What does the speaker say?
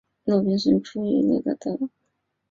鲁宾逊出生于布拉德福德。